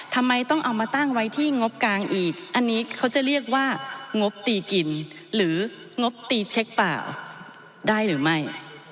ทำไมต้องเอามาตั้งไว้ที่งบกลางอีกอันนี้เขาจะเรียกว่างบตีกินหรืองบตีเช็คป่าได้หรือไม่